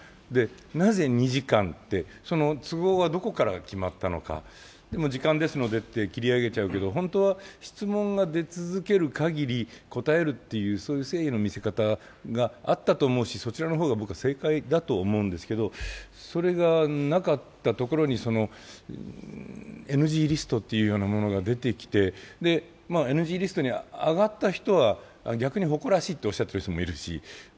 なぜ２時間その都合はどこで決まったのかでも時間ですのでって切り上げちゃうけど、本当は質問が出続けるかぎり答えるという誠意の見せ方があったと思うしそちらの方が僕は正解だと思うんですけど、それがなかったところにＮＧリストというようなものが出てきてＮＧリストに挙がった人は逆に誇らしいとおっしゃってる人もいるし。